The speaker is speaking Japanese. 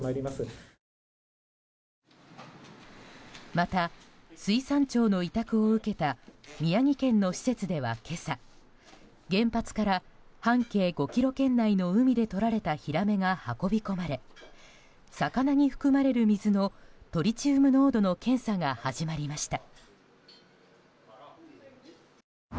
また、水産庁の委託を受けた宮城県の施設では今朝、原発から半径５ｋｍ圏内の海でとられたヒラメが運び込まれ魚に含まれる水のトリチウム濃度の検査が始まりました。